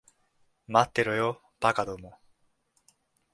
待ってろよ、馬鹿ども。